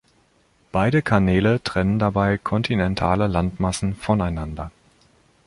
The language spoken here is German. Beide Kanäle trennen dabei kontinentale Landmassen voneinander.